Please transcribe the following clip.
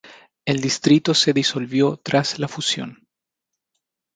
El distrito se disolvió tras la fusión.